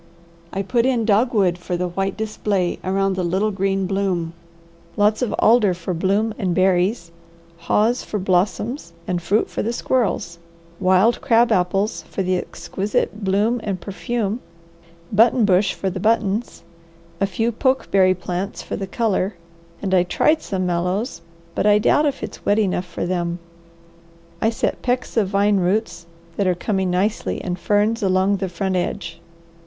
I put in dogwood for the white display around the little green bloom, lots of alder for bloom and berries, haws for blossoms and fruit for the squirrels, wild crab apples for the exquisite bloom and perfume, button bush for the buttons, a few pokeberry plants for the colour, and I tried some mallows, but I doubt if it's wet enough for them. I set pecks of vine roots, that are coming nicely, and ferns along the front edge.